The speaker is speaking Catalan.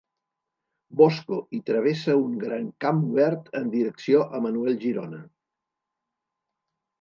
Bosco i travessa un gran camp obert en direcció a Manuel Girona.